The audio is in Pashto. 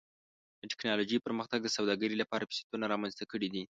د ټکنالوجۍ پرمختګ د سوداګرۍ لپاره فرصتونه رامنځته کړي دي.